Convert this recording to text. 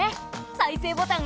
再生ボタン。